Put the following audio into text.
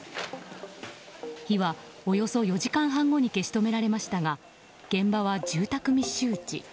火はおよそ４時間半後に消し止められましたが現場は住宅密集地。